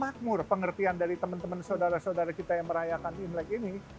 makmur pengertian dari teman teman saudara saudara kita yang merayakan imlek ini